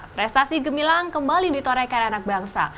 prestasi gemilang kembali ditorekan anak bangsa